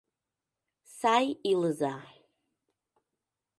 Сай илыза...